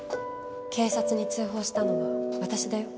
警察に通報したのは私だよ。